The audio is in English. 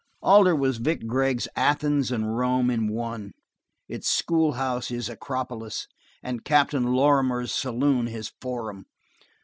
Alder was Vic Gregg's Athens and Rome in one, its schoolhouse his Acropolis, and Captain Lorrimer's saloon his Forum.